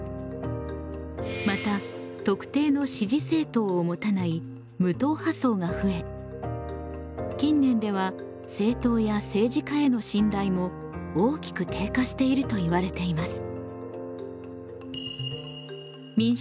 また特定の支持政党を持たない無党派層が増え近年では政党や政治家への信頼も大きく低下しているといわれています。